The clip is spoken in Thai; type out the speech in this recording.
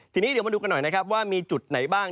ทีนี้เดี๋ยวมาดูกันหน่อยนะครับว่ามีจุดไหนบ้าง